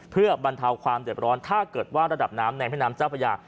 เพื่อบรรเทาความเดือดร้อนถ้าเกิดว่าระดับน้ำในแม่น้ำเจ้าพระยา